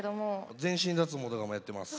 全身脱毛とかもやってます。